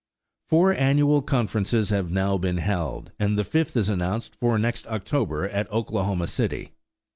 Four annual conferences have now been held, and the fifth is announced for next October at Oklahoma City.